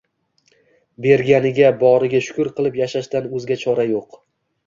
Berganiga, boriga shukr kilib yashashdan o`zga chora yo`q